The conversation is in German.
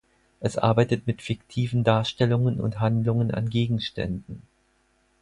Es arbeitet mit fiktiven Darstellungen und Handlungen an Gegenständen.